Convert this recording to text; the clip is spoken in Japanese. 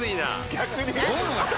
逆に？